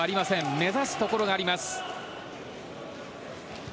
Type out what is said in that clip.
目指すところがあります。